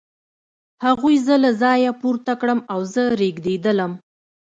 هغوی زه له ځایه پورته کړم او زه رېږېدلم